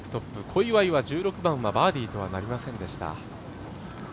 小祝は１６番はバーディーとはなりませんでした。